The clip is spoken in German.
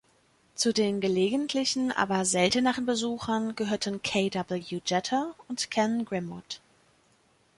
Zu den gelegentlichen aber selteneren Besuchern gehörten K. W. Jeter und Ken Grimwood.